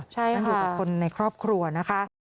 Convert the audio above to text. นั่งอยู่กับคนในครอบครัวนะคะ